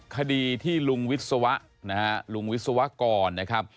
คดีที่ลุงวิศวะนะฮะลุงวิศวกรนะครับ